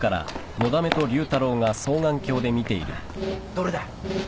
どれだ！？